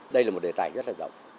đây là một đề tài rất là rộng